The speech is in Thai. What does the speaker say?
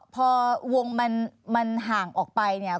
พอวงมันห่างออกไปเนี่ย